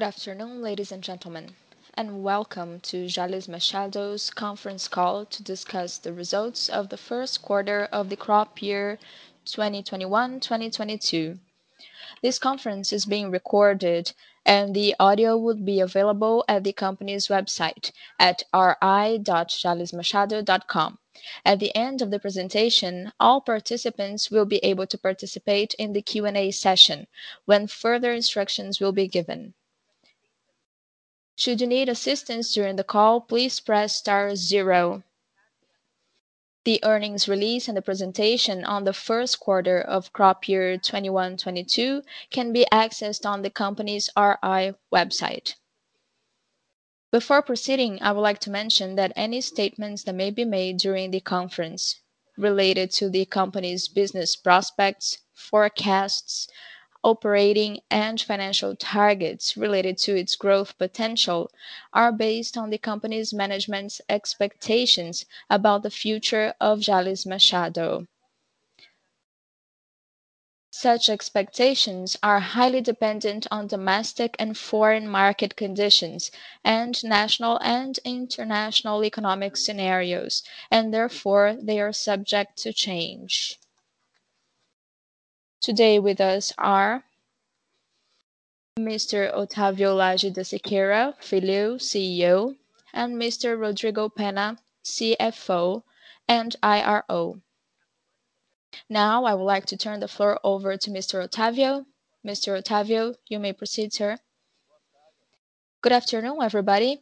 Good afternoon, ladies and gentlemen. Welcome to Jalles Machado's conference call to discuss the results of the first quarter of the crop year 2021-2022. This conference is being recorded and the audio will be available at the company's website at ri.jallesmachado.com. At the end of the presentation, all participants will be able to participate in the Q&A session when further instructions will be given. Should you need assistance during the call, please press star zero. The earnings release and the presentation on the first quarter of crop year 2021-2022 can be accessed on the company's RI website. Before proceeding, I would like to mention that any statements that may be made during the conference related to the company's business prospects, forecasts, operating and financial targets related to its growth potential, are based on the company's management's expectations about the future of Jalles Machado. Such expectations are highly dependent on domestic and foreign market conditions and national and international economic scenarios, and therefore, they are subject to change. Today with us are Mr. Otávio Lage de Siqueira Filho, CEO, and Mr. Rodrigo Penna, CFO and IRO. Now, I would like to turn the floor over to Mr. Otávio. Mr. Otávio, you may proceed, sir. Good afternoon everybody.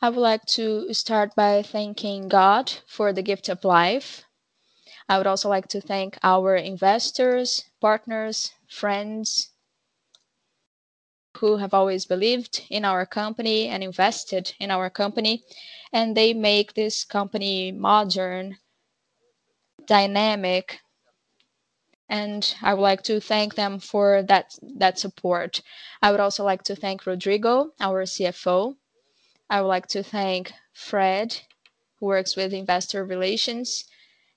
I would like to start by thanking God for the gift of life. I would also like to thank our investors, partners, friends who have always believed in our company and invested in our company, and they make this company modern, dynamic, and I would like to thank them for that support. I would also like to thank Rodrigo, our CFO. I would like to thank Fred, who works with investor relations,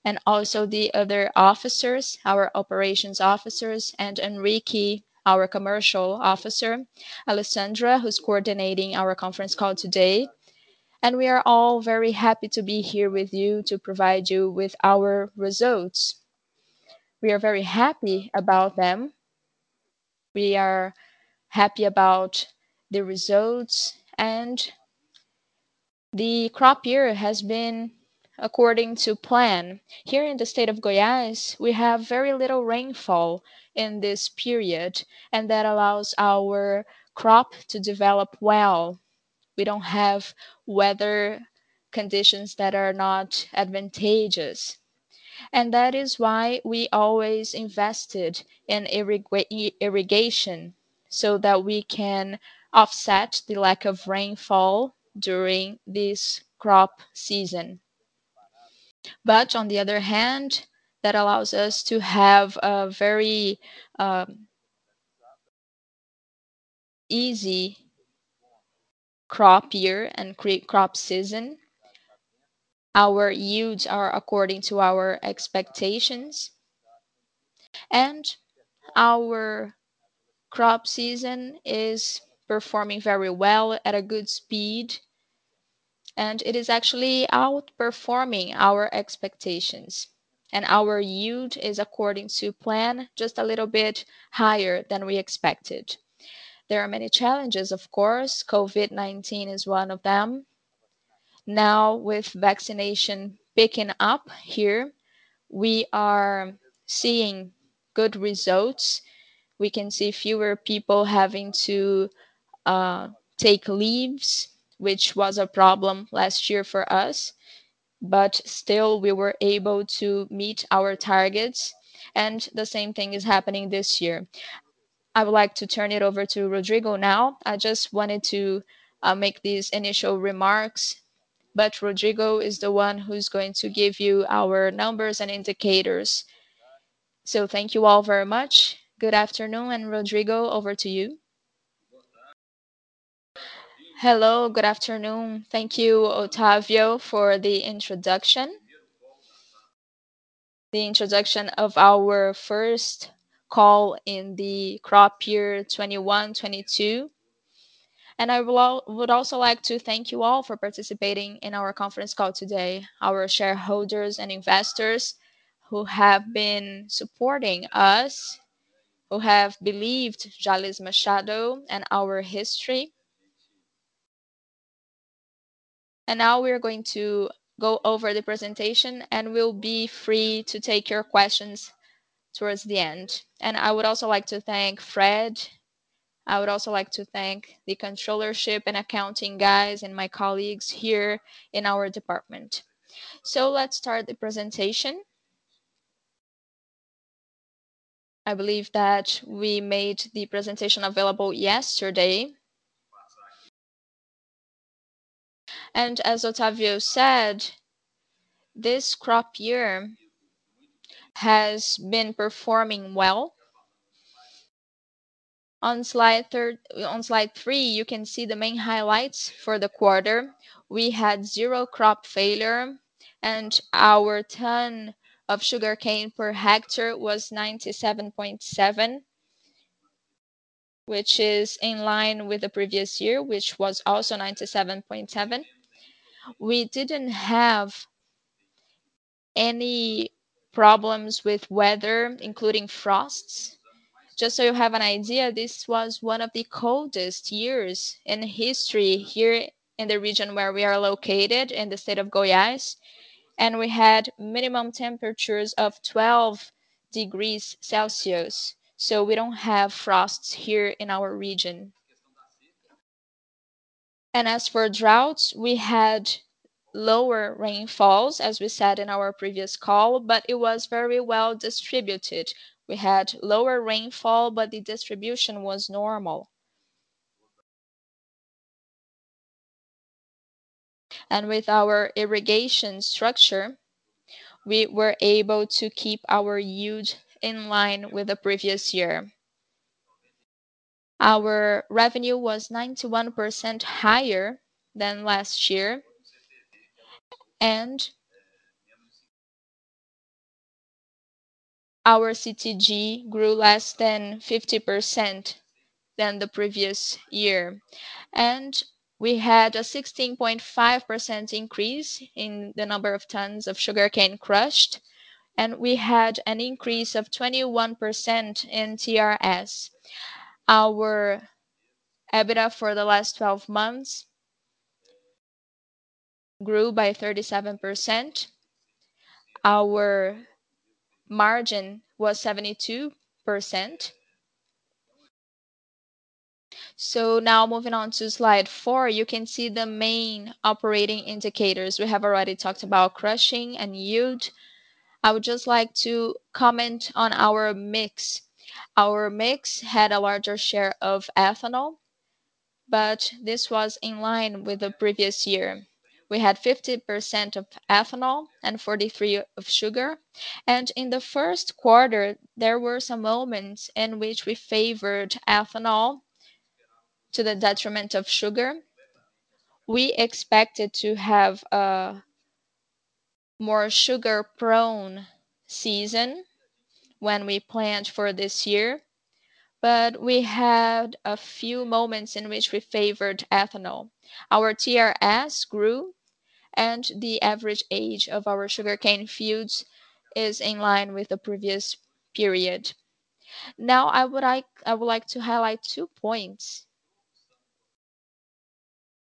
and also the other officers, our operations officers, and Henrique, our Commercial Officer, Alessandra, who's coordinating our conference call today. We are all very happy to be here with you to provide you with our results. We are very happy about them. We are happy about the results, and the crop year has been according to plan. Here in the state of Goiás, we have very little rainfall in this period, and that allows our crop to develop well. We don't have weather conditions that are not advantageous. That is why we always invested in irrigation, so that we can offset the lack of rainfall during this crop season. On the other hand, that allows us to have a very easy crop year and crop season. Our yields are according to our expectations and our crop season is performing very well at a good speed, and it is actually outperforming our expectations. Our yield is according to plan, just a little bit higher than we expected. There are many challenges, of course. COVID-19 is one of them. Now, with vaccination picking up here, we are seeing good results. We can see fewer people having to take leaves, which was a problem last year for us. Still, we were able to meet our targets, and the same thing is happening this year. I would like to turn it over to Rodrigo now. I just wanted to make these initial remarks, but Rodrigo is the one who's going to give you our numbers and indicators. Thank you all very much. Good afternoon, and Rodrigo, over to you. Hello good afternoon. Thank you Otávio for the introduction. This is the introduction of our first call in the crop year 2021-2022. I would also like to thank you all for participating in our conference call today. Our shareholders and investors who have been supporting us, who have believed Jalles Machado and our history. Now we're going to go over the presentation, and we'll be free to take your questions towards the end. I would also like to thank Fred. I would also like to thank the controllership and accounting guys and my colleagues here in our department. Let's start the presentation. I believe that we made the presentation available yesterday. As Otávio said, this crop year has been performing well. On slide three, you can see the main highlights for the quarter. We had 0 crop failure and our ton of sugarcane per hectare was 97.7. Which is in line with the previous year, which was also 97.7. We didn't have any problems with weather, including frosts. Just so you have an idea, this was one of the coldest years in history here in the region where we are located in the state of Goiás, and we had minimum temperatures of 12 degrees Celsius. We don't have frosts here in our region. As for droughts, we had lower rainfalls, as we said in our previous call, but it was very well distributed. We had lower rainfall, but the distribution was normal. With our irrigation structure, we were able to keep our yield in line with the previous year. Our revenue was 91% higher than last year. Our CTG grew less than 50% than the previous year. We had a 16.5% increase in the number of tons of sugarcane crushed, and we had an increase of 21% in TRS. Our EBITDA for the last twelve months grew by 37%. Our margin was 72%. Now moving on to slide four you can see the main operating indicators. We have already talked about crushing and yield. I would just like to comment on our mix. Our mix had a larger share of ethanol, but this was in line with the previous year. We had 50% of ethanol and 43% of sugar. In the first quarter, there were some moments in which we favored ethanol to the detriment of sugar. We expected to have a more sugar-prone season when we planned for this year, but we had a few moments in which we favored ethanol. Our TRS grew, and the average age of our sugarcane fields is in line with the previous period. Now, I would like to highlight two points.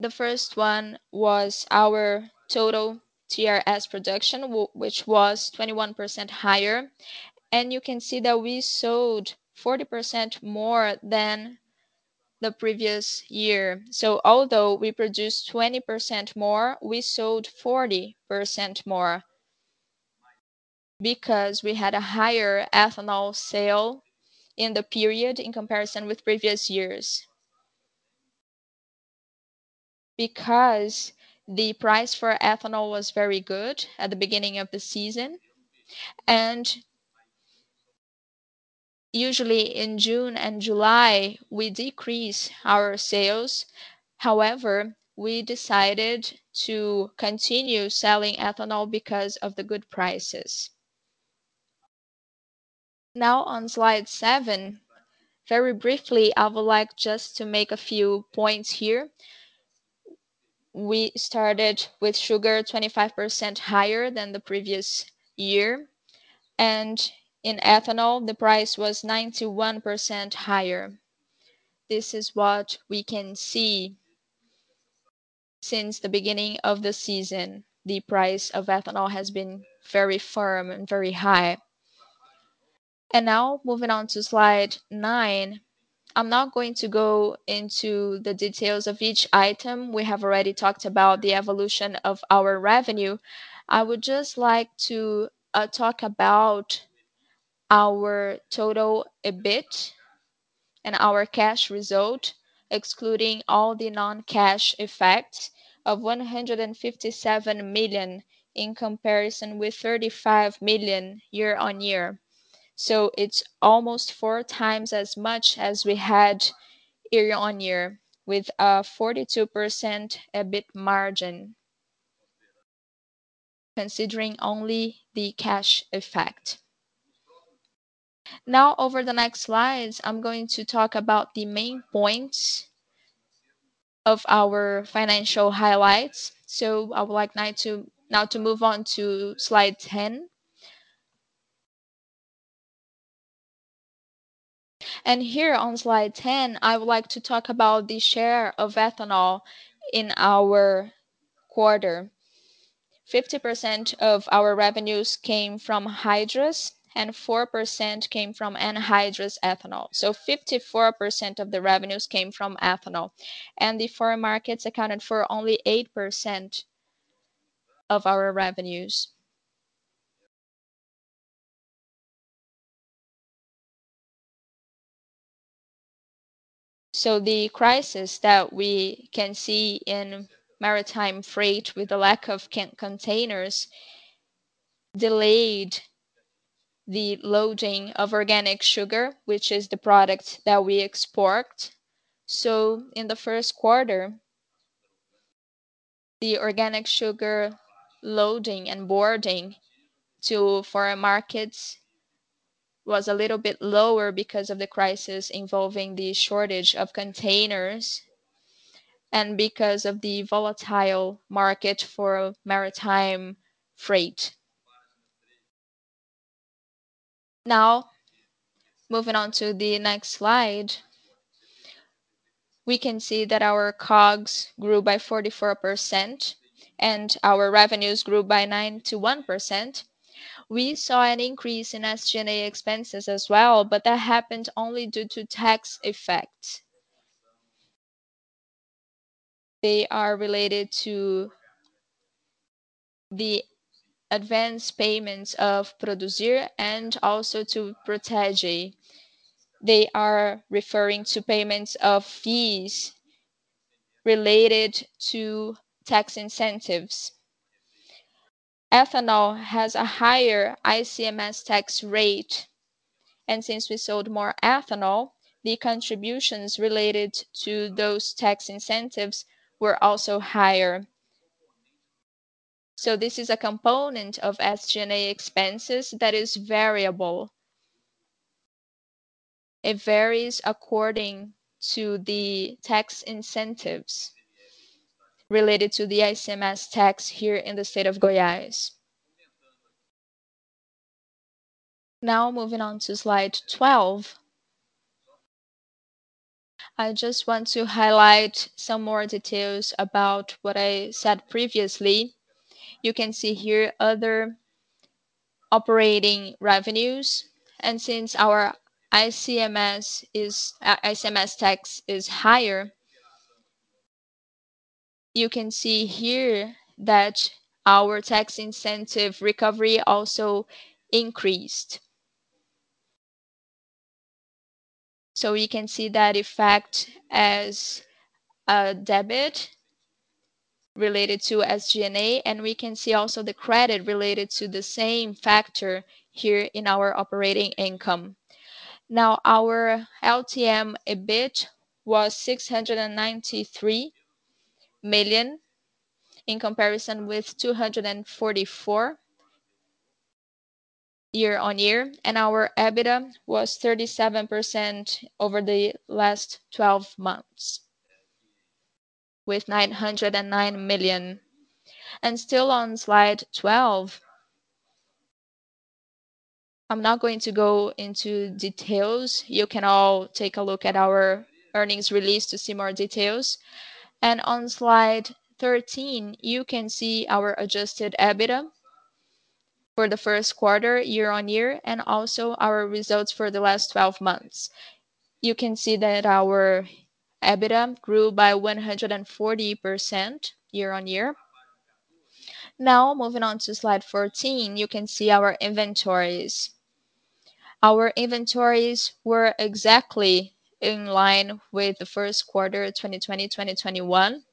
The first one was our total TRS production, which was 21% higher. You can see that we sold 40% more than the previous year. Although we produced 20% more, we sold 40% more because we had a higher ethanol sale in the period in comparison with previous years. Because the price for ethanol was very good at the beginning of the season, and usually in June and July, we decrease our sales. However, we decided to continue selling ethanol because of the good prices. Now on slide seven, very briefly, I would like just to make a few points here. We started with sugar 25% higher than the previous year, and in ethanol, the price was 91% higher. This is what we can see. Since the beginning of the season, the price of ethanol has been very firm and very high. Now moving on to slide nine. I'm not going to go into the details of each item. We have already talked about the evolution of our revenue. I would just like to talk about our total EBIT and our cash result, excluding all the non-cash effects of 157 million in comparison with 35 million year-over-year. It's almost 4x as much as we had year-over-year with a 42% EBIT margin, considering only the cash effect. Now over the next slides, I'm going to talk about the main points of our financial highlights. I would like now to move on to slide 10. Here on slide 10, I would like to talk about the share of ethanol in our quarter. 50% of our revenues came from hydrous and 4% came from anhydrous ethanol. 54% of the revenues came from ethanol. The foreign markets accounted for only 8% of our revenues. The crisis that we can see in maritime freight with the lack of containers delayed the loading of Organic Sugar, which is the product that we export. In the first quarter, the Organic Sugar loading and boarding to foreign markets was a little bit lower because of the crisis involving the shortage of containers and because of the volatile market for maritime freight. Now, moving on to the next slide, we can see that our COGS grew by 44% and our revenues grew by 91%. We saw an increase in SG&A expenses as well, but that happened only due to tax effects. They are related to the advance payments of Produzir and also to PROTEGE. They are referring to payments of fees related to tax incentives. Ethanol has a higher ICMS tax rate, and since we sold more ethanol, the contributions related to those tax incentives were also higher. This is a component of SG&A expenses that is variable. It varies according to the tax incentives related to the ICMS tax here in the state of Goiás. Now, moving on to slide 12. I just want to highlight some more details about what I said previously. You can see here other operating revenues, and since our ICMS is, ICMS tax is higher, you can see here that our tax incentive recovery also increased. We can see that effect as a debit related to SG&A, and we can see also the credit related to the same factor here in our operating income. Now, our LTM EBIT was 693 million in comparison with 244 million year-over-year, and our EBITDA was 37% over the last twelve months with 909 million. Still on slide 12, I'm not going to go into details. You can all take a look at our earnings release to see more details. On slide 13, you can see our Adjusted EBITDA for the first quarter year-over-year and also our results for the last twelve months. You can see that our EBITDA grew by 140% year-on-year. Now, moving on to slide 14, you can see our inventories. Our inventories were exactly in line with the first quarter, 2020-2021.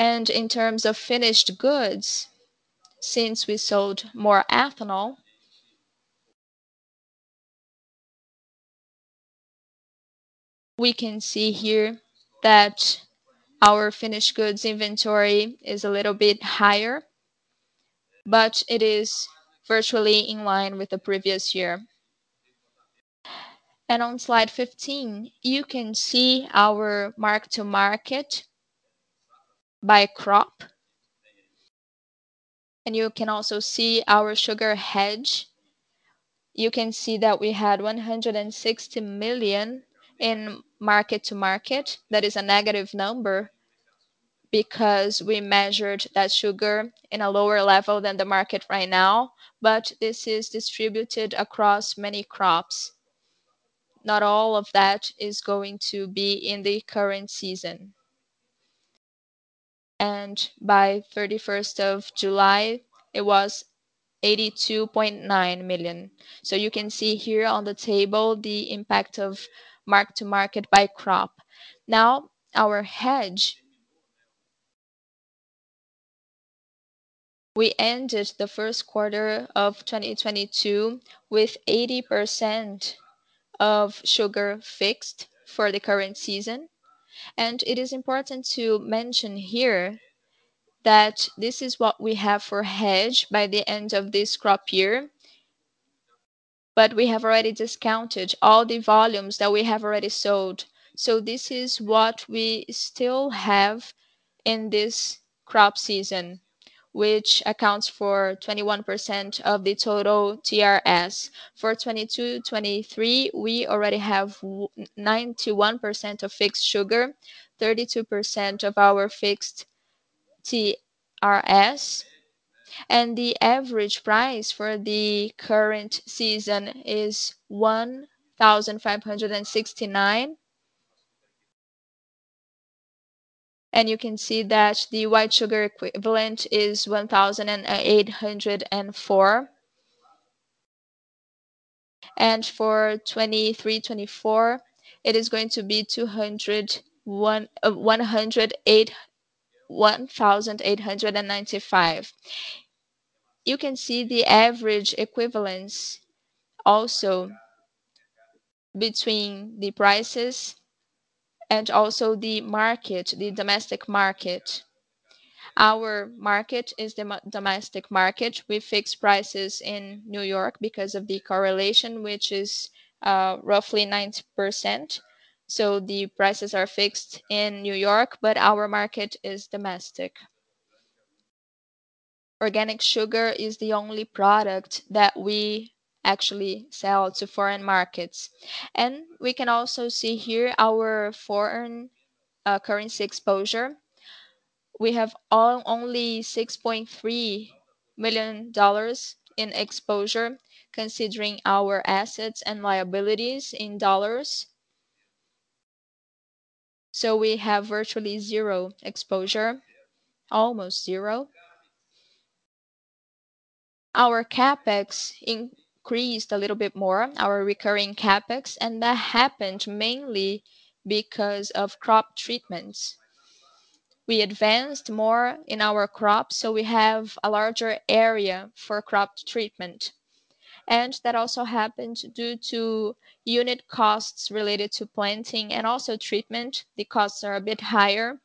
In terms of finished goods, since we sold more ethanol, we can see here that our finished goods inventory is a little bit higher, but it is virtually in line with the previous year. On slide 15, you can see our mark-to-market by crop, and you can also see our sugar hedge. You can see that we had 160 million in mark-to-market. That is a negative number because we measured that sugar in a lower level than the market right now, but this is distributed across many crops. Not all of that is going to be in the current season. By July 31st, it was 82.9 million. You can see here on the table the impact of mark-to-market by crop. Now our hedge. We ended the first quarter of 2022 with 80% of sugar fixed for the current season. It is important to mention here that this is what we have for hedge by the end of this crop year, but we have already discounted all the volumes that we have already sold. This is what we still have in this crop season, which accounts for 21% of the total TRS. For 2022-2023, we already have 91% of fixed sugar, 32% of our fixed TRS, and the average price for the current season is 1,569. You can see that the white sugar equivalent is 1,804. For 2023-2024, it is going to be 1,895. You can see the average equivalence also between the prices and also the market, the domestic market. Our market is domestic market. We fix prices in New York because of the correlation, which is roughly 90%. The prices are fixed in New York, but our market is domestic. Organic sugar is the only product that we actually sell to foreign markets. You can also see here our foreign currency exposure. We have only $6.3 million in exposure considering our assets and liabilities in dollars. We have virtually zero exposure, almost zero. Our CapEx increased a little bit more, our recurring CapEx, and that happened mainly because of crop treatments. We advanced more in our crops, so we have a larger area for crop treatment. That also happened due to unit costs related to planting and also treatment. The costs are a bit higher.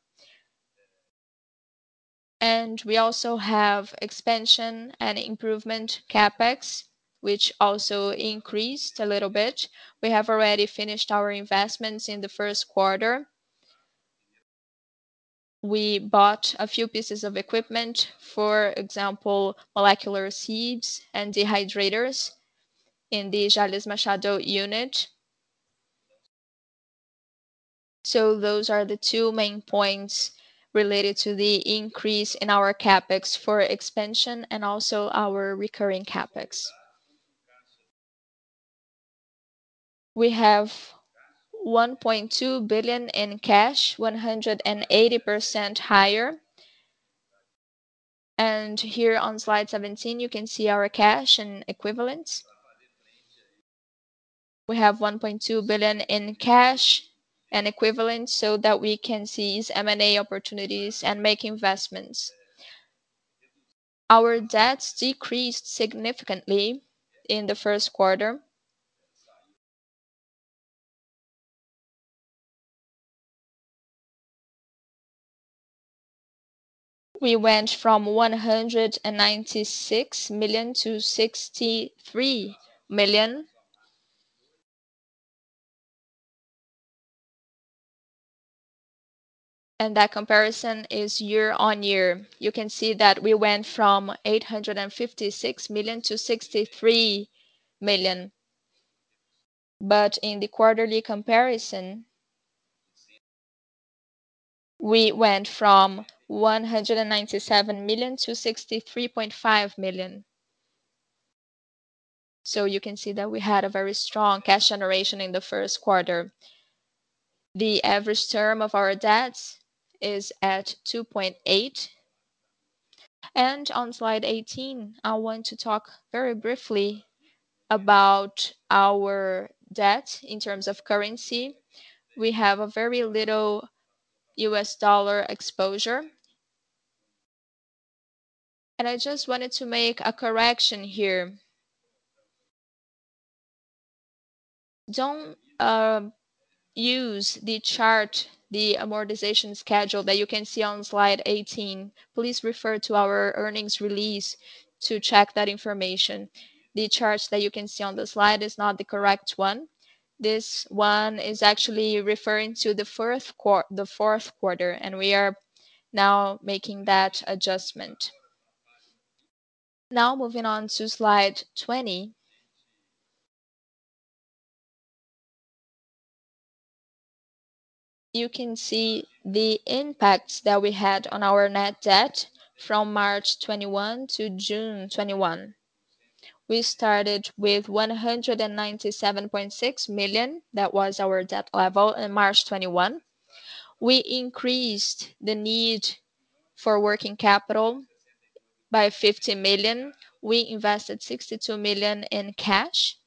We also have expansion and improvement CapEx, which also increased a little bit. We have already finished our investments in the first quarter. We bought a few pieces of equipment, for example, molecular sieves and dehydrators in the Jalles Machado unit. Those are the two main points related to the increase in our CapEx for expansion and also our recurring CapEx. We have 1.2 billion in cash, 180% higher. Here on slide 17, you can see our cash and equivalents. We have 1.2 billion in cash and equivalents so that we can seize M&A opportunities and make investments. Our debts decreased significantly in the first quarter. We went from BRL 196 million-BRL 63 million. That comparison is year-on-year. You can see that we went from 856 million-63 million. In the quarterly comparison, we went from 197 million-63.5 million. You can see that we had a very strong cash generation in the first quarter. The average term of our debts is at 2.8. On slide 18, I want to talk very briefly about our debt in terms of currency. We have a very little U.S. dollar exposure. I just wanted to make a correction here. Don't use the chart, the amortization schedule that you can see on slide 18. Please refer to our earnings release to check that information. The charts that you can see on the slide is not the correct one. This one is actually referring to the fourth quarter, and we are now making that adjustment. Now moving on to slide 20. You can see the impacts that we had on our net debt from March 2021 to June 2021. We started with 197.6 million. That was our debt level in March 2021. We increased the need for working capital by 50 million. We invested 62 million in cash.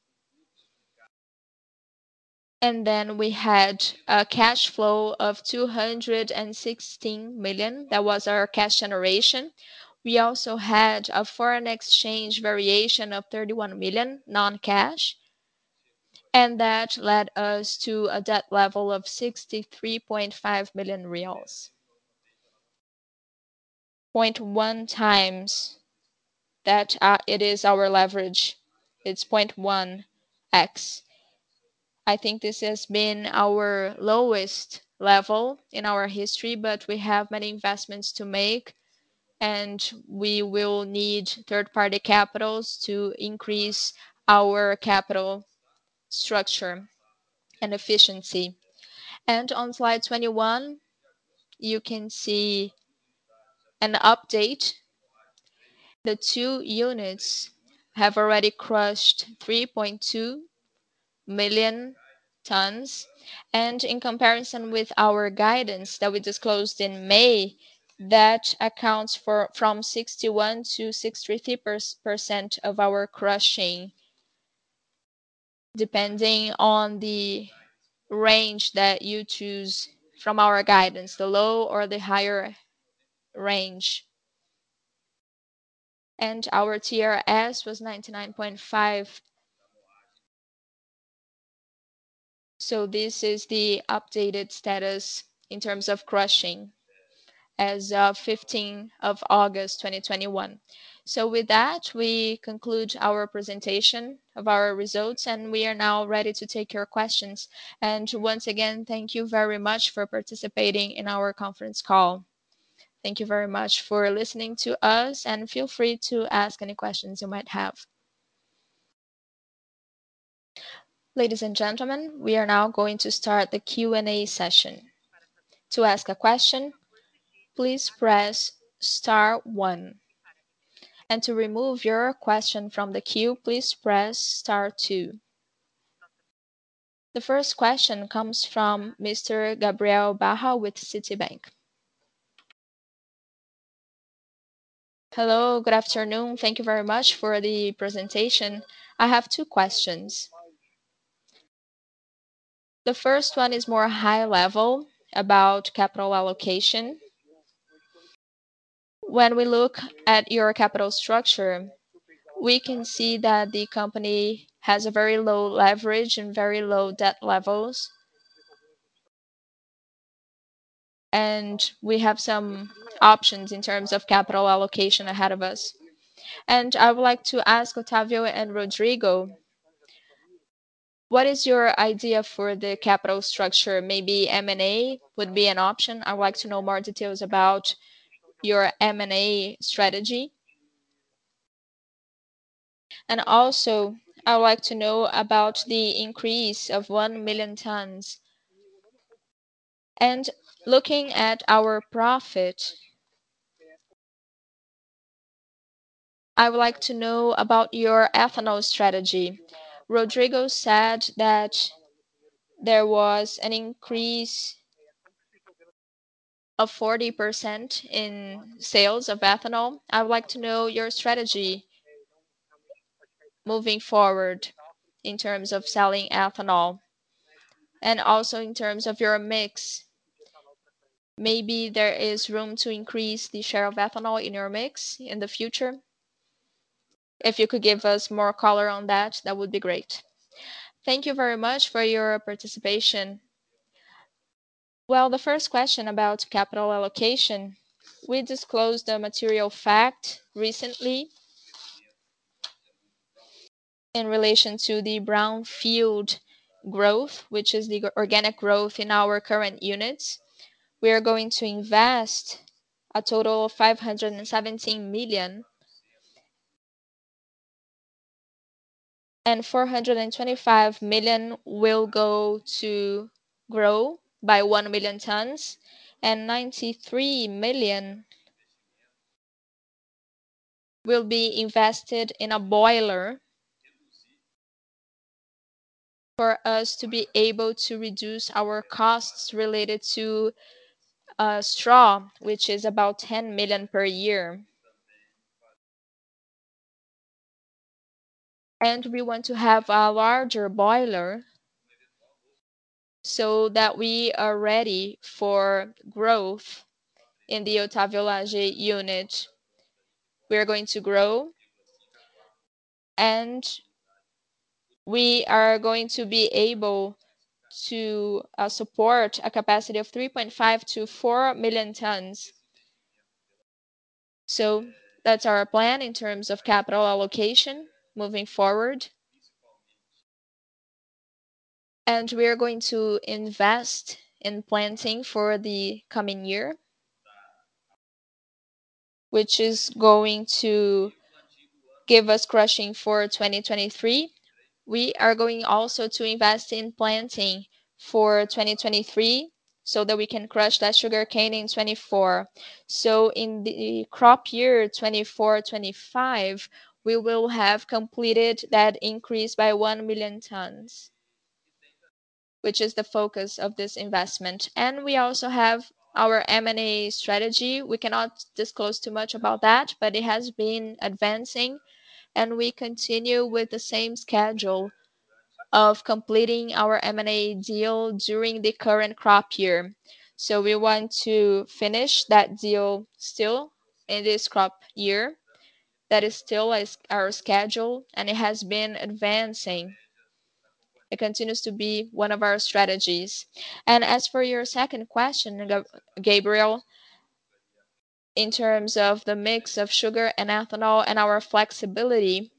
Then we had a cash flow of 216 million. That was our cash generation. We also had a foreign exchange variation of 31 million non-cash, and that led us to a debt level of 63.5 million reais. 0.1x that, it is our leverage. It's 0.1x. I think this has been our lowest level in our history, but we have many investments to make, and we will need third-party capitals to increase our capital structure and efficiency. On slide 21, you can see an update. The two units have already crushed 3.2 million tons. In comparison with our guidance that we disclosed in May, that accounts for 61%-63% of our crushing. Depending on the range that you choose from our guidance, the low or the higher range. Our TRS was 99.5. This is the updated status in terms of crushing as of August 15, 2021. With that, we conclude our presentation of our results, and we are now ready to take your questions. Once again, thank you very much for participating in our conference call. Thank you very much for listening to us, and feel free to ask any questions you might have. Ladies and gentlemen, we are now going to start the Q&A session. To ask question, you may please press star one and to remove your question from the queue, please press star two. First question comes from from Gabriel Barra with Citi. Hello, good afternoon. Thank you very much for the presentation. I have two questions. The first one is more high level about capital allocation. When we look at your capital structure, we can see that the company has a very low leverage and very low debt levels. We have some options in terms of capital allocation ahead of us. I would like to ask Otávio and Rodrigo, what is your idea for the capital structure? Maybe M&A would be an option. I would like to know more details about your M&A strategy. Also, I would like to know about the increase of 1 million tons. Looking at our profit, I would like to know about your ethanol strategy. Rodrigo said that there was an increase of 40% in sales of ethanol. I would like to know your strategy moving forward in terms of selling ethanol and also in terms of your mix. Maybe there is room to increase the share of ethanol in your mix in the future. If you could give us more color on that would be great. Thank you very much for your participation. Well, the first question about capital allocation, we disclosed a material fact recently in relation to the brownfield growth, which is the organic growth in our current units. We are going to invest a total of 517 million. 425 million will go to grow by 1 million tons. 93 million will be invested in a boiler for us to be able to reduce our costs related to straw, which is about 10 million per year. We want to have a larger boiler so that we are ready for growth in the Otávio Lage unit. We are going to grow, and we are going to be able to support a capacity of 3.5-4 million tons. That's our plan in terms of capital allocation moving forward. We are going to invest in planting for the coming year, which is going to give us crushing for 2023. We are going also to invest in planting for 2023 so that we can crush that sugarcane in 2024. In the crop year 2024-2025, we will have completed that increase by 1 million tons, which is the focus of this investment. We also have our M&A strategy. We cannot disclose too much about that, but it has been advancing, and we continue with the same schedule of completing our M&A deal during the current crop year. We want to finish that deal still in this crop year. That is still our schedule, and it has been advancing. It continues to be one of our strategies. As for your second question, Gabriel, in terms of the mix of sugar and ethanol and our flexibility,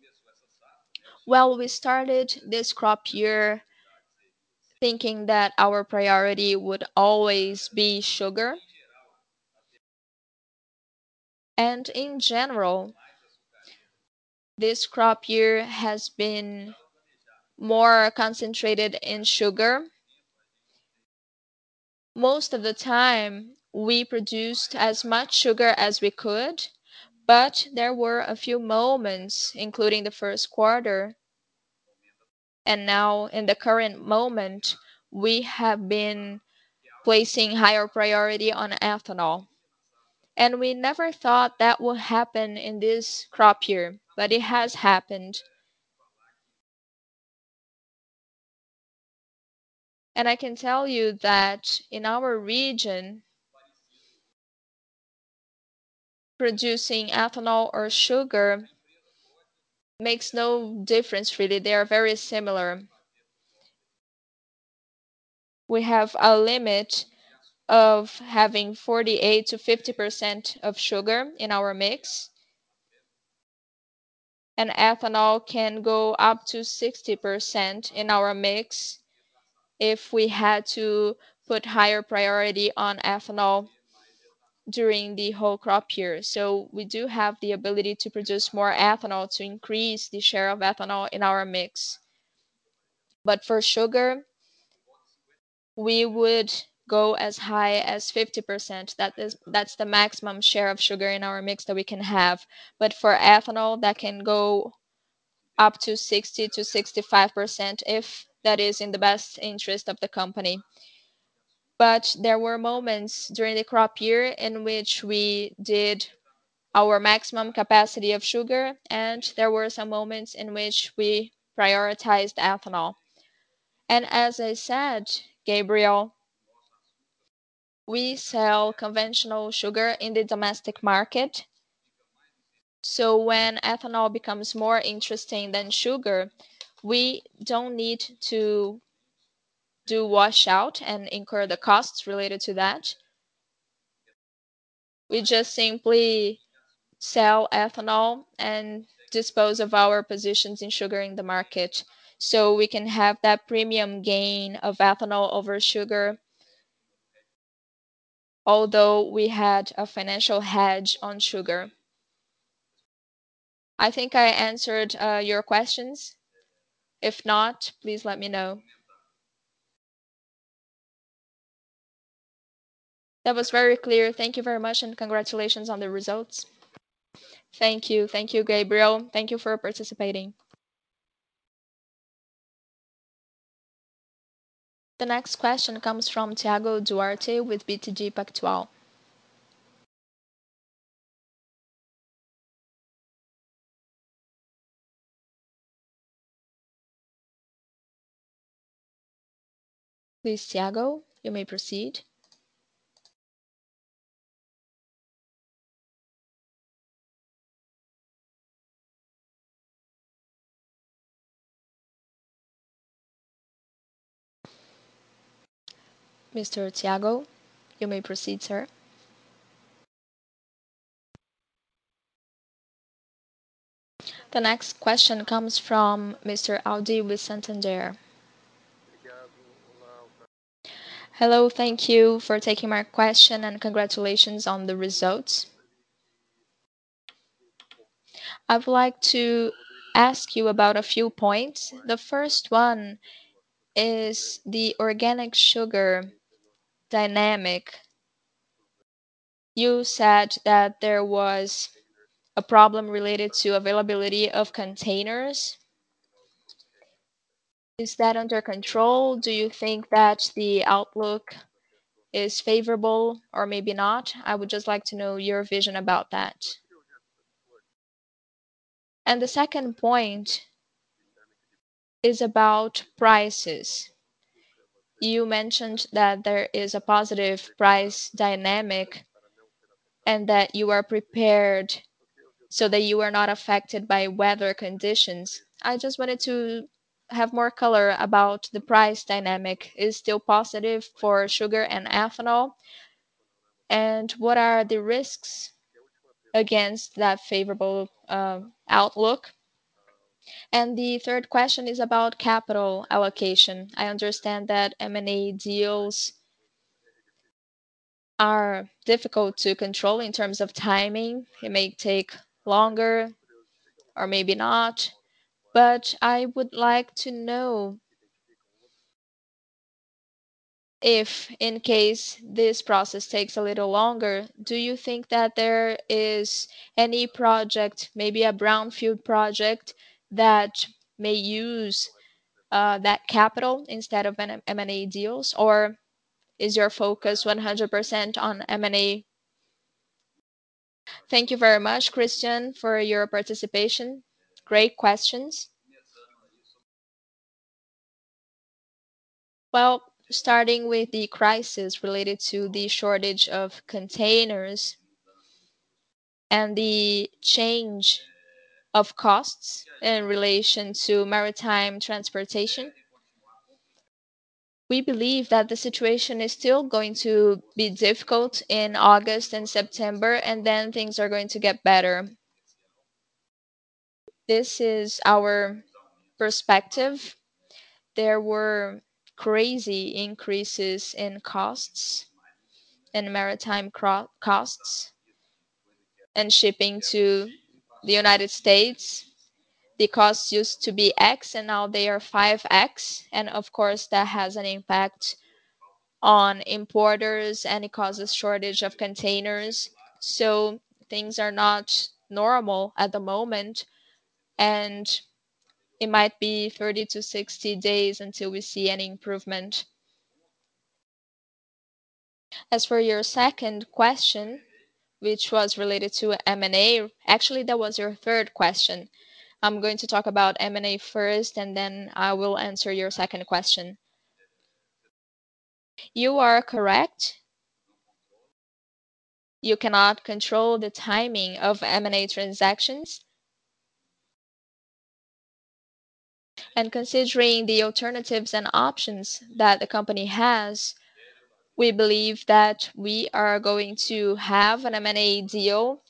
well, we started this crop year thinking that our priority would always be sugar. In general, this crop year has been more concentrated in sugar. Most of the time, we produced as much sugar as we could, but there were a few moments, including the first quarter and now in the current moment, we have been placing higher priority on ethanol. We never thought that would happen in this crop year, but it has happened. I can tell you that in our region, producing ethanol or sugar makes no difference really. They are very similar. We have a limit of having 48%-50% of sugar in our mix. Ethanol can go up to 60% in our mix if we had to put higher priority on ethanol during the whole crop year. We do have the ability to produce more ethanol to increase the share of ethanol in our mix. For sugar, we would go as high as 50%. That is, that's the maximum share of sugar in our mix that we can have. For ethanol, that can go up to 60%-65% if that is in the best interest of the company. There were moments during the crop year in which we did our maximum capacity of sugar, and there were some moments in which we prioritized ethanol. As I said, Gabriel, we sell Conventional Sugar in the domestic market. When ethanol becomes more interesting than sugar, we don't need to do washout and incur the costs related to that. We just simply sell ethanol and dispose of our positions in sugar in the market, so we can have that premium gain of ethanol over sugar, although we had a financial hedge on sugar. I think I answered your questions. If not, please let me know. That was very clear. Thank you very much, and congratulations on the results. Thank you. Thank you, Gabriel. Thank you for participating. The next question comes from Thiago Duarte with BTG Pactual. Please, Thiago, you may proceed. Mr. Thiago, you may proceed, sir. The next question comes from Mr. Audi with Santander. Hello. Thank you for taking my question, and congratulations on the results. I would like to ask you about a few points. The first one is the Organic Sugar dynamic. You said that there was a problem related to availability of containers. Is that under control? Do you think that the outlook is favorable or maybe not? I would just like to know your vision about that. The second point is about prices. You mentioned that there is a positive price dynamic and that you are prepared so that you are not affected by weather conditions. I just wanted to have more color about the price dynamic. Is it still positive for sugar and ethanol? What are the risks against that favorable outlook? The third question is about capital allocation. I understand that M&A deals are difficult to control in terms of timing. It may take longer or maybe not. I would like to know if in case this process takes a little longer, do you think that there is any project, maybe a brownfield project, that may use that capital instead of an M&A deals? Or is your focus 100% on M&A? Thank you very much Christian for your participation. Great questions. Well, starting with the crisis related to the shortage of containers and the change of costs in relation to maritime transportation, we believe that the situation is still going to be difficult in August and September, and then things are going to get better. This is our perspective. There were crazy increases in costs, in maritime costs and shipping to the United States. The costs used to be X and now they are 5X. Of course, that has an impact on importers, and it causes shortage of containers. Things are not normal at the moment. It might be 30-60 days until we see any improvement. As for your second question, which was related to M&A. Actually, that was your third question. I'm going to talk about M&A first, and then I will answer your second question. You are correct. You cannot control the timing of M&A transactions. Considering the alternatives and options that the company has, we believe that we are going to have an M&A deal,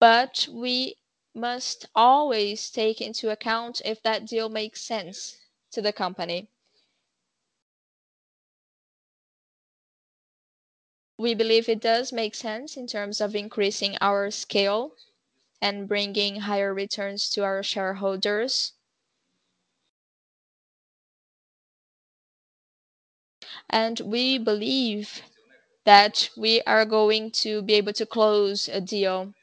but we must always take into account if that deal makes sense to the company. We believe it does make sense in terms of increasing our scale and bringing higher returns to our shareholders. We believe that we are going to be able to close a deal.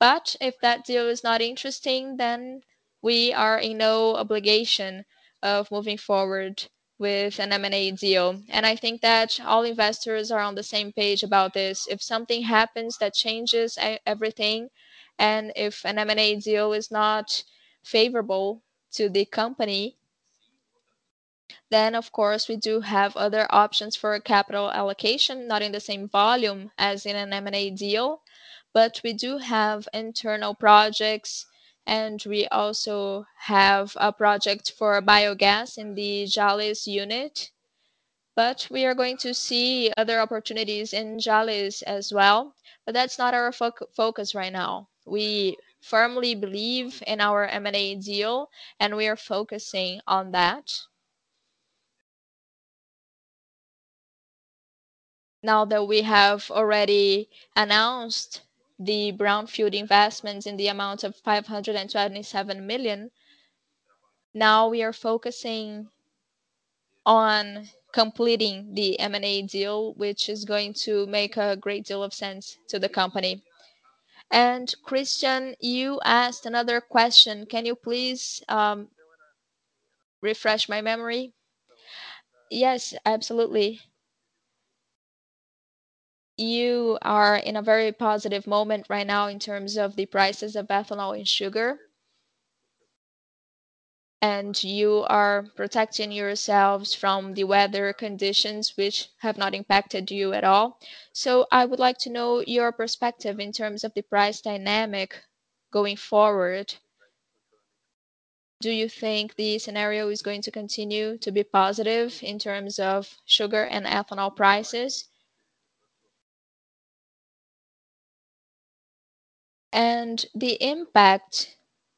If that deal is not interesting, then we are in no obligation of moving forward with an M&A deal. I think that all investors are on the same page about this. If something happens that changes everything, and if an M&A deal is not favorable to the company, then of course, we do have other options for capital allocation, not in the same volume as in an M&A deal. We do have internal projects, and we also have a project for biogas in the Jalles unit. We are going to see other opportunities in Jalles as well. That's not our focus right now. We firmly believe in our M&A deal, and we are focusing on that. Now that we have already announced the brownfield investments in the amount of 577 million, now we are focusing on completing the M&A deal, which is going to make a great deal of sense to the company. Christian, you asked another question. Can you please refresh my memory? Yes, absolutely. You are in a very positive moment right now in terms of the prices of ethanol and sugar, and you are protecting yourselves from the weather conditions, which have not impacted you at all. I would like to know your perspective in terms of the price dynamic going forward. Do you think the scenario is going to continue to be positive in terms of sugar and ethanol prices? And the impact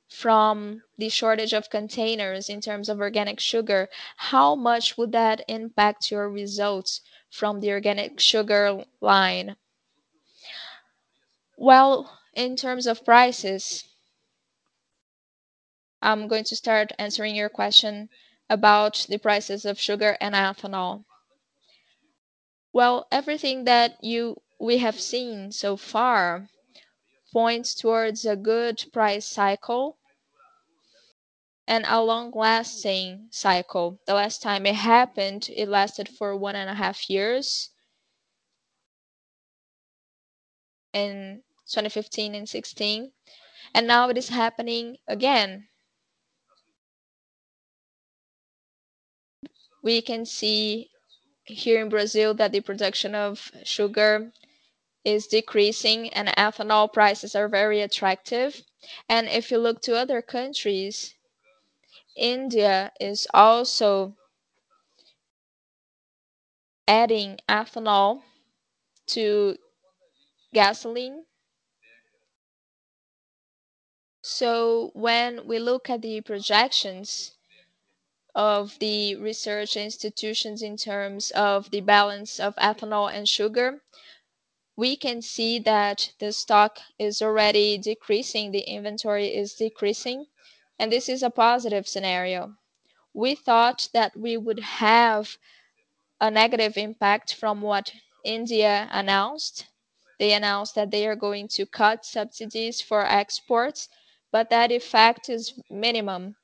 from the shortage of containers in terms of Organic Sugar, how much would that impact your results from the Organic Sugar line? Well, in terms of prices, I'm going to start answering your question about the prices of sugar and ethanol. Well, everything that we have seen so far points toward a good price cycle and a long-lasting cycle. The last time it happened, it lasted for one and half years in 2015 and 2016, and now it is happening again. We can see here in Brazil that the production of sugar is decreasing and ethanol prices are very attractive. If you look to other countries, India is also adding ethanol to gasoline. When we look at the projections of the research institutions in terms of the balance of ethanol and sugar, we can see that the stock is already decreasing, the inventory is decreasing, and this is a positive scenario. We thought that we would have a negative impact from what India announced. They announced that they are going to cut subsidies for exports, but that effect is minimal.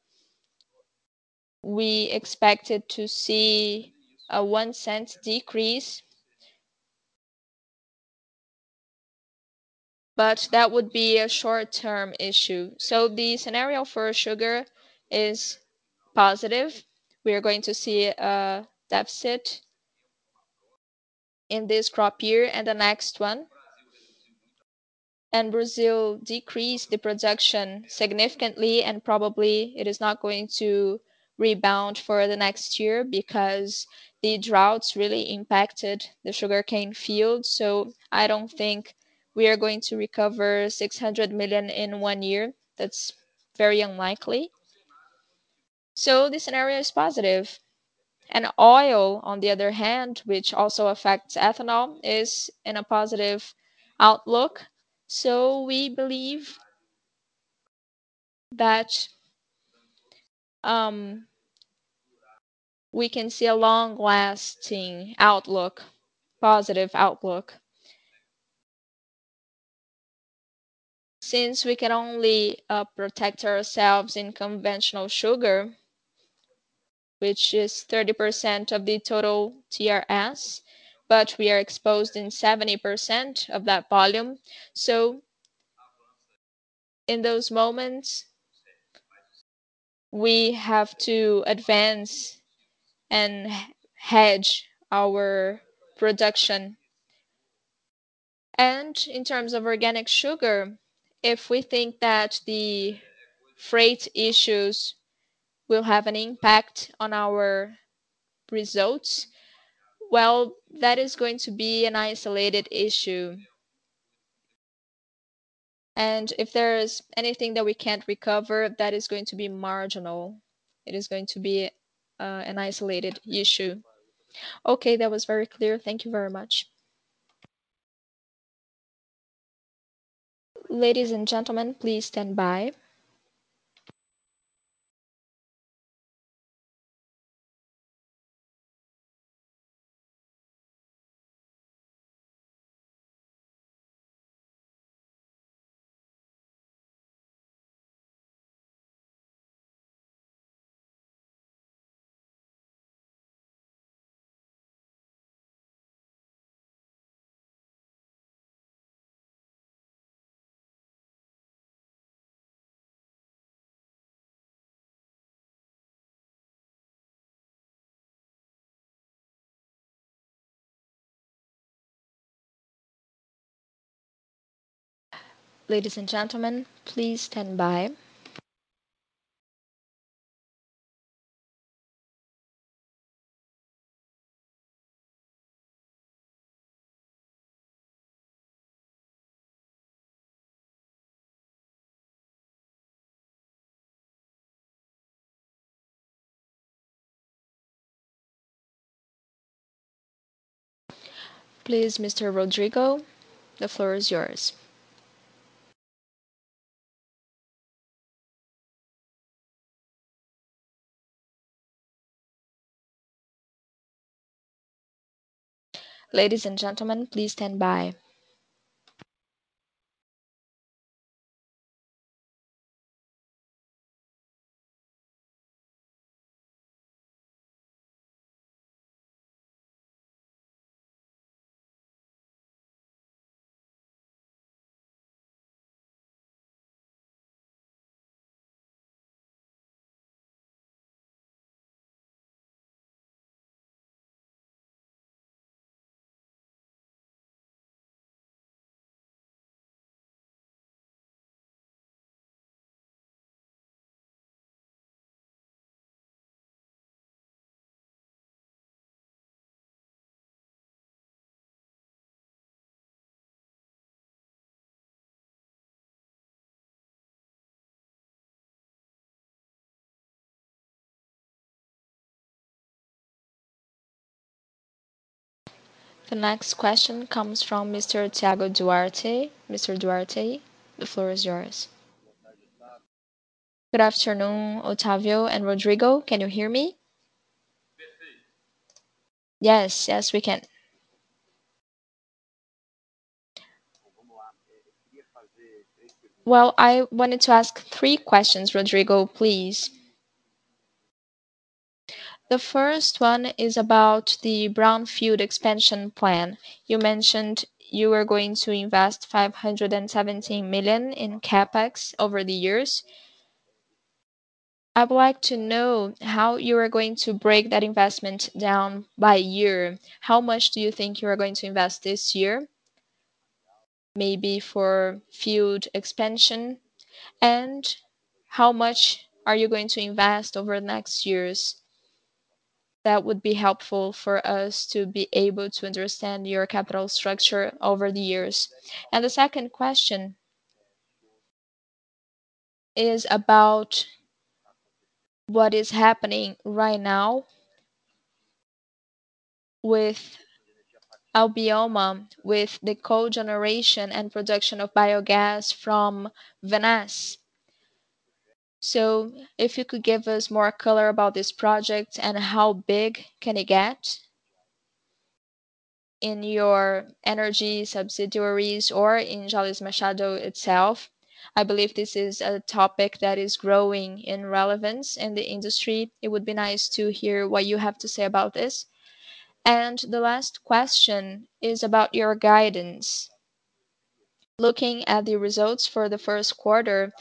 We expected to see a one cent decrease, but that would be a short-term issue. The scenario for sugar is positive. We are going to see a deficit in this crop year and the next one. Brazil decreased the production significantly, and probably it is not going to rebound for the next year because the droughts really impacted the sugarcane fields. I don't think we are going to recover 600 million in one year. That's very unlikely. The scenario is positive. Oil, on the other hand, which also affects ethanol, is in a positive outlook. We believe that we can see a long-lasting outlook, positive outlook. Since we can only protect ourselves in Conventional Sugar, which is 30% of the total TRS, but we are exposed in 70% of that volume. In those moments, we have to advance and hedge our production. In terms of Organic Sugar, if we think that the freight issues will have an impact on our results, well, that is going to be an isolated issue. If there is anything that we can't recover, that is going to be marginal. It is going to be an isolated issue. Okay. That was very clear. Thank you very much. Duarte, the floor is yours. Good afternoon, Otávio and Rodrigo. Can you hear me? Yes. Yes, we can. Well, I wanted to ask three questions, Rodrigo, please. The first one is about the brownfield expansion plan. You mentioned you are going to invest 517 million in CapEx over the years. I would like to know how you are going to break that investment down by year. How much do you think you are going to invest this year, maybe for field expansion? And how much are you going to invest over the next years? That would be helpful for us to be able to understand your capital structure over the years. And the second question is about what is happening right now with Albioma, with the cogeneration and production of biogas from vinasse. If you could give us more color about this project and how big can it get in your energy subsidiaries or in Jalles Machado itself. I believe this is a topic that is growing in relevance in the industry. It would be nice to hear what you have to say about this. The last question is about your guidance. Looking at the results for the first quarter,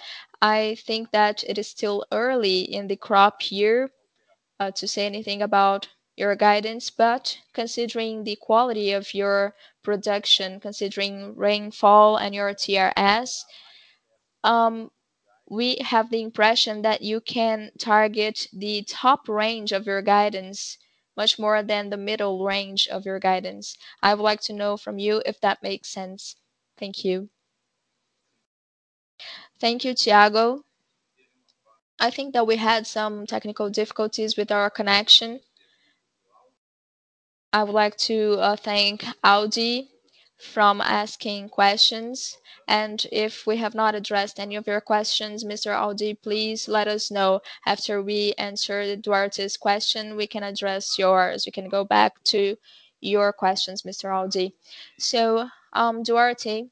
I think that it is still early in the crop year to say anything about your guidance. Considering the quality of your production, considering rainfall and your TRS, we have the impression that you can target the top range of your guidance much more than the middle range of your guidance. I would like to know from you if that makes sense. Thank you. Thank you, Thiago. I think that we had some technical difficulties with our connection. I would like to thank Audi for asking questions. If we have not addressed any of your questions, Mr. Audi, please let us know. After we answer Duarte's question, we can address yours. We can go back to your questions, Mr. Audi. Duarte,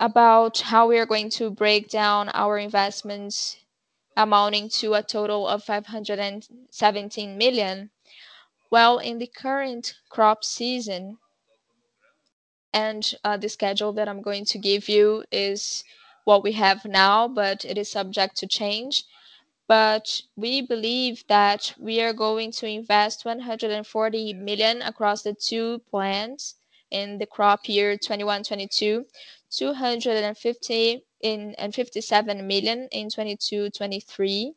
about how we are going to break down our investments amounting to a total of 517 million. Well, in the current crop season, the schedule that I'm going to give you is what we have now, but it is subject to change. We believe that we are going to invest 140 million across the two plants in the crop year 2021-2022. 257 million in 2022-2023.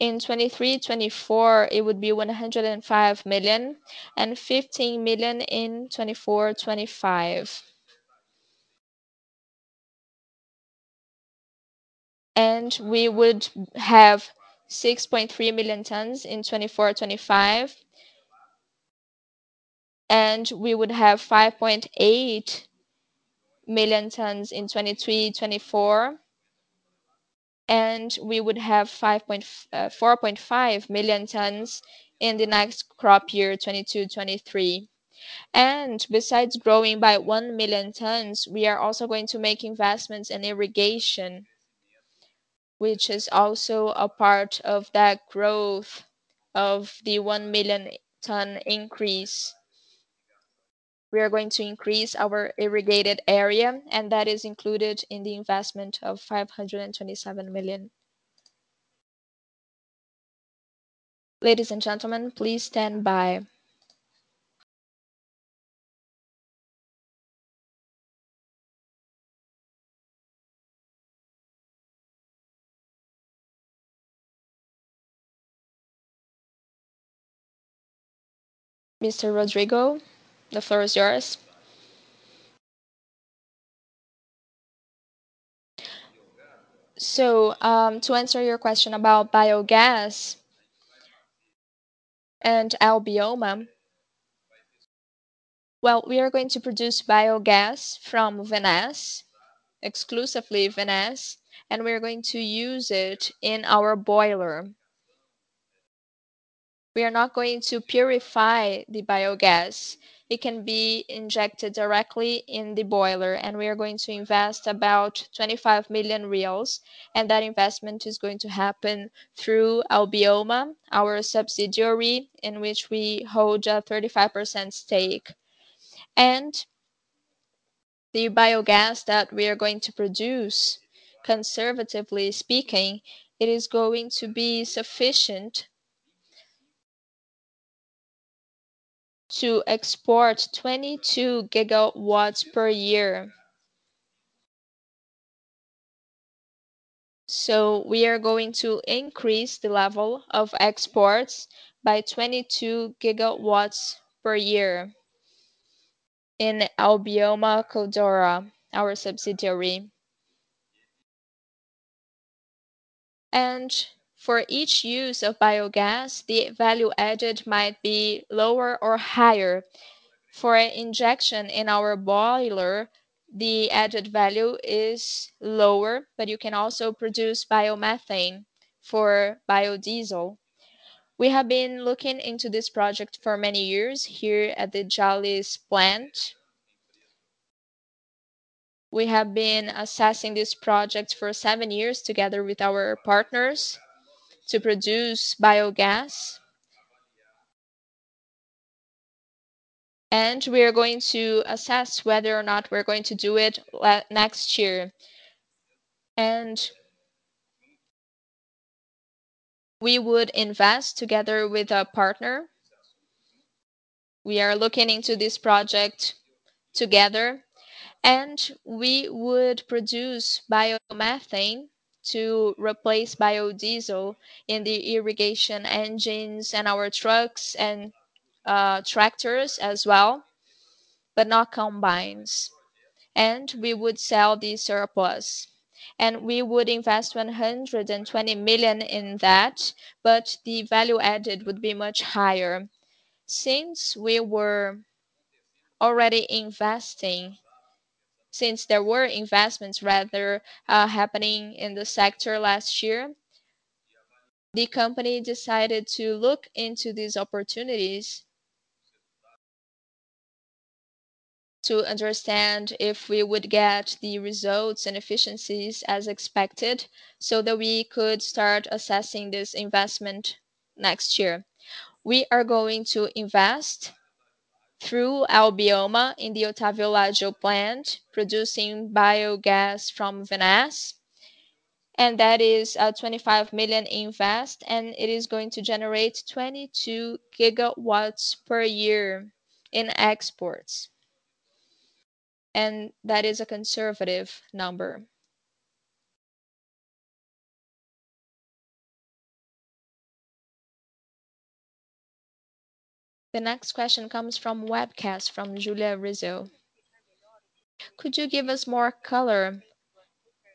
In 2023-2024, it would be 105 million and 15 million in 2024-2025. We would have 6.3 million tons in 2024-2025. We would have 5.8 million tons in 2023-2024. We would have 4.5 million tons in the next crop year, 2022-2023. Besides growing by 1 million tons, we are also going to make investments in irrigation, which is also a part of that growth of the 1 million ton increase. We are going to increase our irrigated area, and that is included in the investment of 527 million. Ladies and gentlemen, please stand by. Mr. Rodrigo Penna, the floor is yours. To answer your question about biogas and Albioma. Well, we are going to produce biogas from vinasse, exclusively vinasse, and we are going to use it in our boiler. We are not going to purify the biogas. It can be injected directly in the boiler, and we are going to invest about 25 million reais, and that investment is going to happen through Albioma, our subsidiary, in which we hold a 35% stake. The biogas that we are going to produce, conservatively speaking, it is going to be sufficient to export 22 GW per year. We are going to increase the level of exports by 22 GW per year in Albioma Codora Energia, our subsidiary. For each use of biogas, the value added might be lower or higher. For injection in our boiler, the added value is lower, but you can also produce biomethane for biodiesel. We have been looking into this project for many years here at the Jalles plant. We have been assessing this project for seven years together with our partners to produce biogas. We are going to assess whether or not we're going to do it next year. We would invest together with a partner. We are looking into this project together, and we would produce biomethane to replace biodiesel in the irrigation engines and our trucks and tractors as well, but not combines. We would sell the surplus, and we would invest 120 million in that, but the value added would be much higher. Since there were investments rather happening in the sector last year, the company decided to look into these opportunities to understand if we would get the results and efficiencies as expected, so that we could start assessing this investment next year. We are going to invest through Albioma in the Otávio Lage plant, producing biogas from vinasse, and that is a 25 million invest, and it is going to generate 22 GW per year in exports. That is a conservative number. The next question comes from webcast from Julia Rizzo. Could you give us more color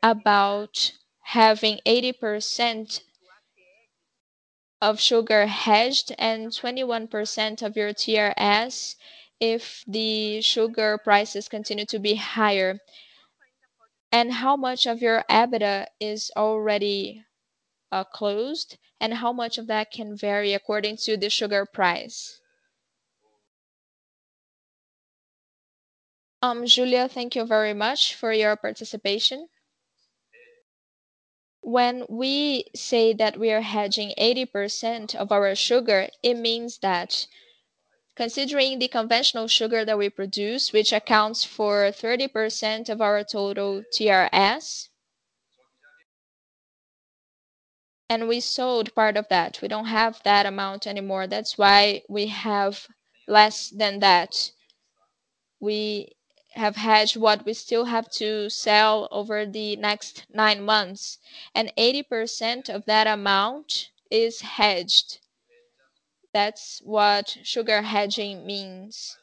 about having 80% of sugar hedged and 21% of your TRS if the sugar prices continue to be higher? How much of your EBITDA is already closed, and how much of that can vary according to the sugar price? Julia thank you very much for your participation. When we say that we are hedging 80% of our sugar, it means that considering the conventional sugar that we produce, which accounts for 30% of our total TRS. We sold part of that. We don't have that amount anymore. That's why we have less than that. We have hedged what we still have to sell over the next nine months, and 80% of that amount is hedged. That's what sugar hedging means.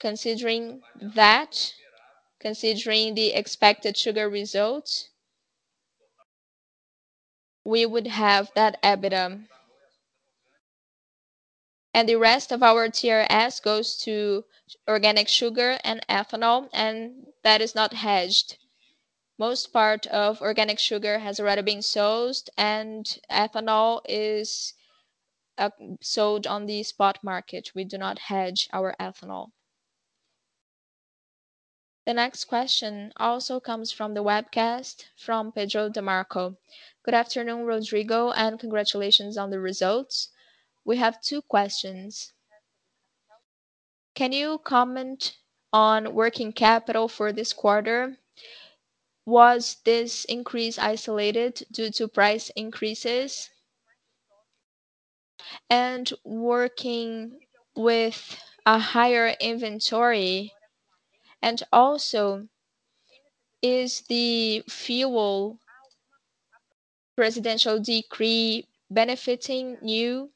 Considering that, considering the expected sugar results, we would have that EBITDA. The rest of our TRS goes to organic sugar and ethanol, and that is not hedged. Most part of organic sugar has already been sold, and ethanol is sold on the spot market. We do not hedge our ethanol. The next question also comes from the webcast from Pedro De Marco. Good afternoon Rodrigo and congratulations on the results. We have two questions. Can you comment on working capital for this quarter? Was this increase isolated due to price increases and working with a higher inventory? Also, is the fuel presidential decree benefiting you?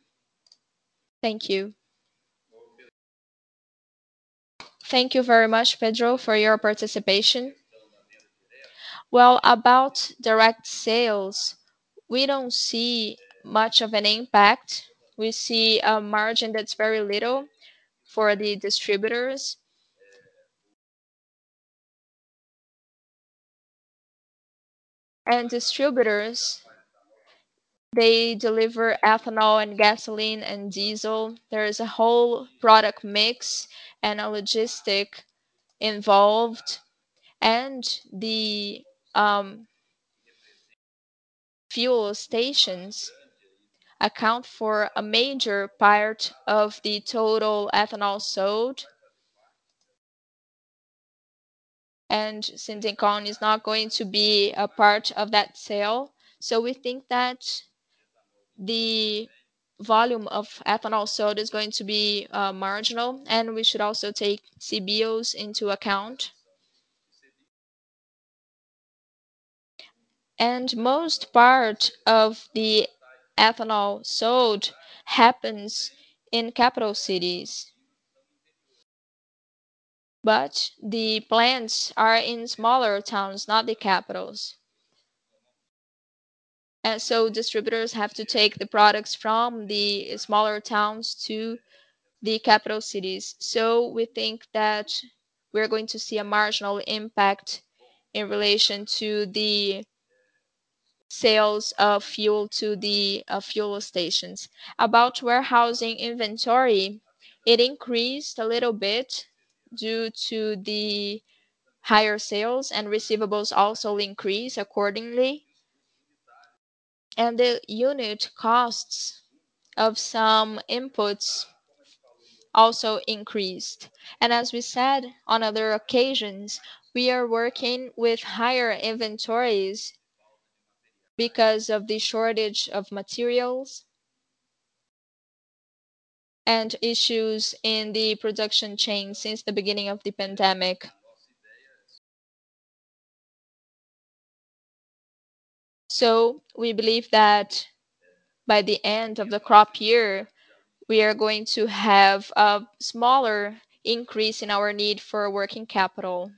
Thank you. Thank you very much Pedro for your participation. Well, about direct sales, we don't see much of an impact. We see a margin that's very little for the distributors. Distributors, they deliver ethanol and gasoline and diesel. There is a whole product mix and a logistics involved, and the fuel stations account for a major part of the total ethanol sold. Centecoin is not going to be a part of that sale. We think that the volume of ethanol sold is going to be marginal, and we should also take CBIOs into account. Most part of the ethanol sold happens in capital cities. The plants are in smaller towns, not the capitals. Distributors have to take the products from the smaller towns to the capital cities. We think that we're going to see a marginal impact in relation to the sales of fuel to the fuel stations. About warehousing inventory, it increased a little bit due to the higher sales and receivables also increase accordingly. The unit costs of some inputs also increased. As we said on other occasions, we are working with higher inventories because of the shortage of materials and issues in the production chain since the beginning of the pandemic. We believe that by the end of the crop year, we are going to have a smaller increase in our need for working capital.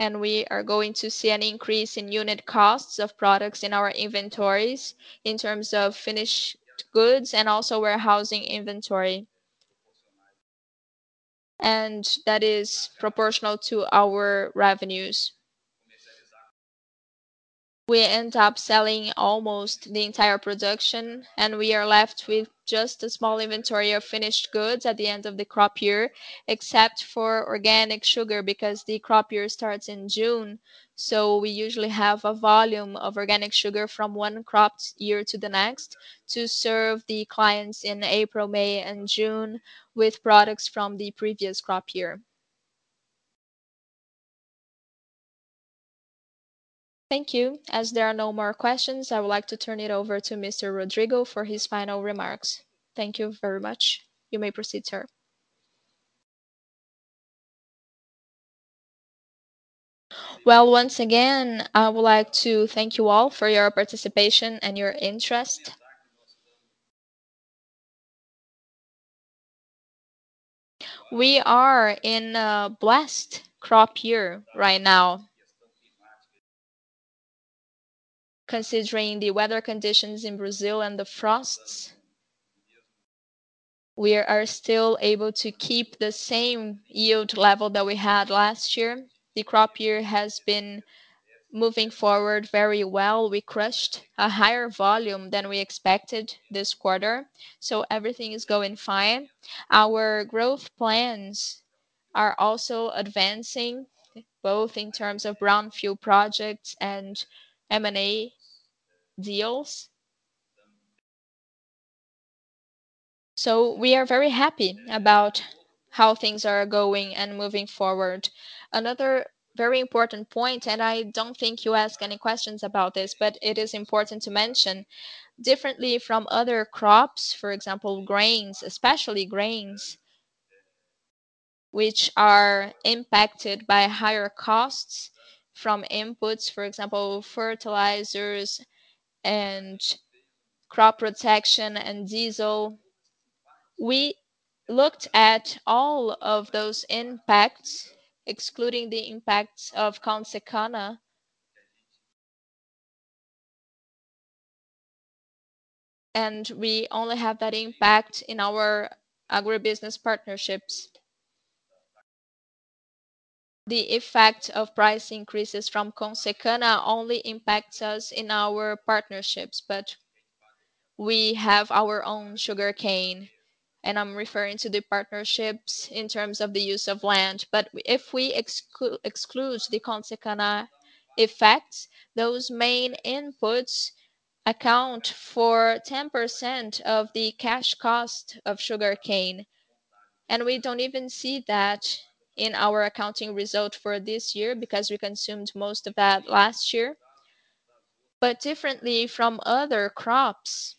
We are going to see an increase in unit costs of products in our inventories in terms of finished goods and also warehousing inventory. That is proportional to our revenues. We end up selling almost the entire production, and we are left with just a small inventory of finished goods at the end of the crop year, except for organic sugar, because the crop year starts in June. We usually have a volume of organic sugar from one crop year to the next to serve the clients in April, May and June with products from the previous crop year. Thank you. As there are no more questions, I would like to turn it over to Mr. Rodrigo for his final remarks. Thank you very much. You may proceed, sir. Well, once again, I would like to thank you all for your participation and your interest. We are in a blessed crop year right now. Considering the weather conditions in Brazil and the frosts, we are still able to keep the same yield level that we had last year. The crop year has been moving forward very well. We crushed a higher volume than we expected this quarter, so everything is going fine. Our growth plans are also advancing, both in terms of brown field projects and M&A deals. We are very happy about how things are going and moving forward. Another very important point, and I don't think you asked any questions about this, but it is important to mention differently from other crops, for example, grains, especially grains which are impacted by higher costs from inputs, for example, fertilizers and crop protection and diesel. We looked at all of those impacts, excluding the impacts of Consecana. We only have that impact in our agribusiness partnerships. The effect of price increases from Consecana only impacts us in our partnerships, but we have our own sugarcane, and I'm referring to the partnerships in terms of the use of land. If we exclude the Consecana effect, those main inputs account for 10% of the cash cost of sugarcane. We don't even see that in our accounting result for this year because we consumed most of that last year. Differently from other crops,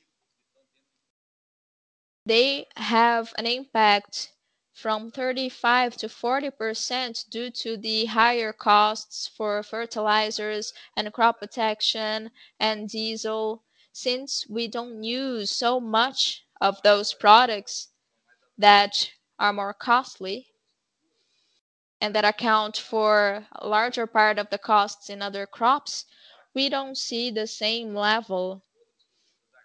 they have an impact from 35%-40% due to the higher costs for fertilizers and crop protection and diesel. Since we don't use so much of those products that are more costly and that account for larger part of the costs in other crops, we don't see the same level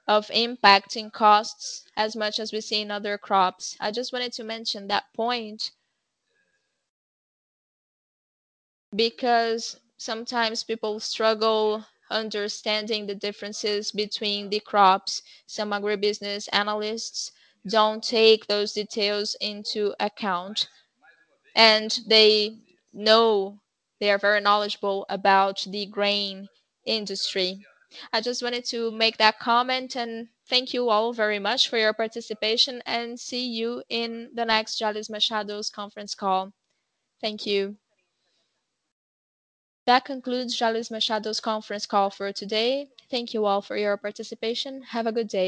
of impact in costs as much as we see in other crops. I just wanted to mention that point because sometimes people struggle understanding the differences between the crops. Some agribusiness analysts don't take those details into account, and they know they are very knowledgeable about the grain industry. I just wanted to make that comment and thank you all very much for your participation and see you in the next Jalles Machado's conference call. Thank you. That concludes Jalles Machado's conference call for today. Thank you all for your participation. Have a good day.